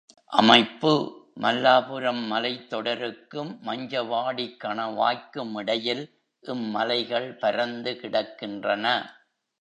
அமைப்பு மல்லாபுரம் மலைத்தொடருக்கும் மஞ்சவாடிக் கணவாய்க்கும் இடையில் இம்மலைகள் பரந்து கிடக்கின்றன.